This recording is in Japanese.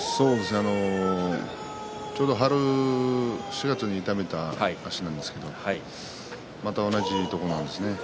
ちょうど春４月に痛めた足なんですけれどまた同じところなんですね。